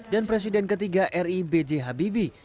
dan presiden ketiga ri b j habibi